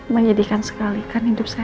menyedihkan sekali kan hidup saya